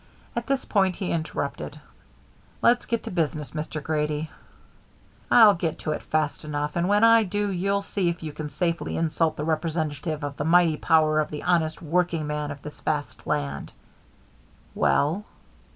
At this point he interrupted: "Let's get to business, Mr. Grady." "I'll get to it fast enough. And when I do you'll see if you can safely insult the representative of the mighty power of the honest workingman of this vast land." "Well?"